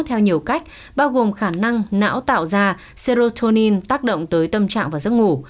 theo nhiều cách bao gồm khả năng não tạo ra cerrotonin tác động tới tâm trạng và giấc ngủ